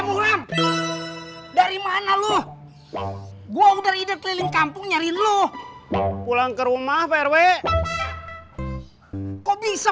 emang ram dari mana lo gua udah ide keliling kampung nyari lo pulang ke rumah perwe kok bisa